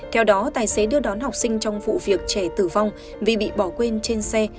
theo đó tài xế đưa đón học sinh trong vụ việc trẻ tử vong vì bị bỏ quên trên xe